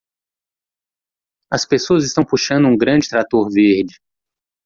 As pessoas estão puxando um grande trator verde.